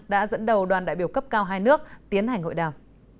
đã dẫn đầu đoàn đại biểu cấp cao hai nước tiến hành hội đàm